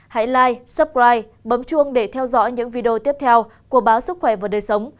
hãy like subscribe bấm chuông để theo dõi những video tiếp theo của báo sức khỏe và đời sống